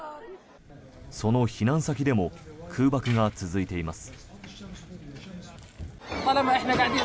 その避難先でも空爆が続いています。